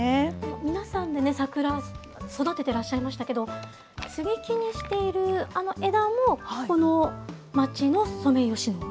皆さんでね、桜を育ててらっしゃいましたけど、接ぎ木にしているあの枝も、この町のソメイヨシノ？